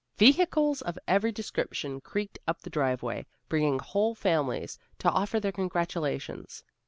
Vehicles of every description creaked up the driveway, bringing whole families to offer their congratulations.